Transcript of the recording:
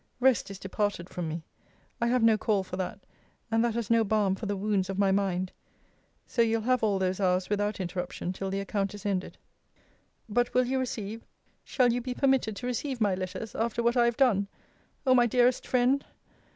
Rest is departed from me. I have no call for that: and that has no balm for the wounds of my mind. So you'll have all those hours without interruption till the account is ended. But will you receive, shall you be permitted to receive my letters, after what I have done? O my dearest friend!